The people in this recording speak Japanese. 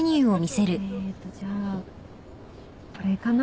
えっとじゃあこれかな？